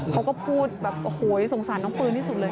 เขาก็พูดสงสัญน้องปืนที่สุดเลย